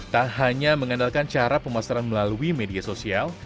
tak hanya mengandalkan cara pemasaran melalui media sosial